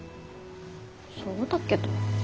そうだけど。